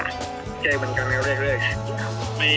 ใกล้เหมือนกันเนี่ยเรื่อย